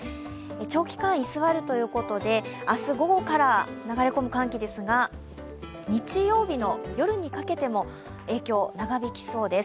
長期間居座るということで、明日午後から流れ込む寒気ですが日曜日の夜にかけても影響長引きそうです。